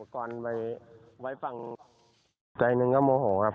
ก่อนไว้ฟังใจหนึ่งก็โมโหครับ